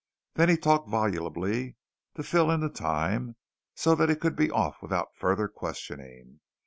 Then he talked volubly to fill in the time so that he could be off without further questioning.